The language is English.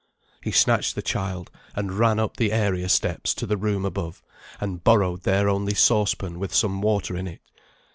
He snatched the child, and ran up the area steps to the room above, and borrowed their only saucepan with some water in it.